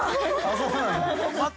◆そうなんだー。